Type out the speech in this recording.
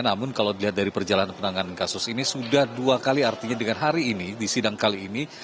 namun kalau dilihat dari perjalanan penanganan kasus ini sudah dua kali artinya dengan hari ini di sidang kali ini